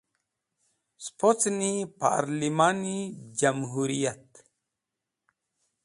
Spocni Parlimani Jamhuriyat.